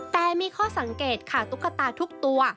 แต่มีข้อสังเกตค่ะตุ๊กตาทุกตัว